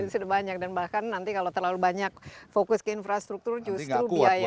sudah banyak dan bahkan nanti kalau terlalu banyak fokus ke infrastruktur justru biaya